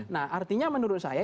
nah artinya menurut saya